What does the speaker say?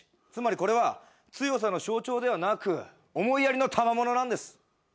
つまりこれは強さの象徴ではなく思いやりのたまものなんです。